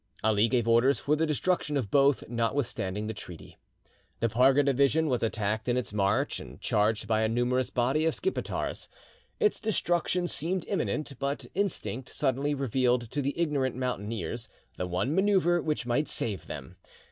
Ali gave orders for the destruction of both, notwithstanding the treaty. The Parga division was attacked in its march, and charged by a numerous body of Skipetars. Its destruction seemed imminent, but instinct suddenly revealed to the ignorant mountaineers the one manoeuvre which might save them.